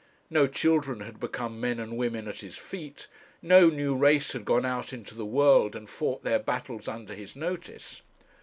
No children had become men and women at his feet; no new race had gone out into the world and fought their battles under his notice.